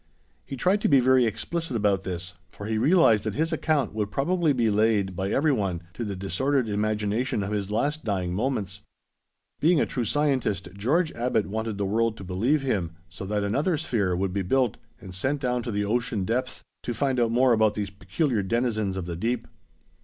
He tried to be very explicit about this, for he realized that his account would probably be laid, by everyone, to the disordered imagination of his last dying moments; being a true scientist, George Abbot wanted the world to believe him, so that another sphere would be built and sent down to the ocean depths, to find out more about these peculiar denizens of the deep.